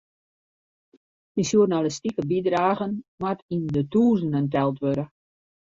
Syn sjoernalistike bydragen moat yn de tûzenen teld wurde.